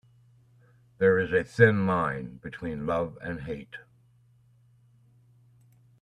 There is a thin line between love and hate.